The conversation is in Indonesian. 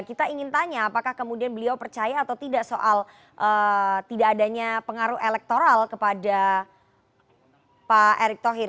kita ingin tanya apakah kemudian beliau percaya atau tidak soal tidak adanya pengaruh elektoral kepada pak erick thohir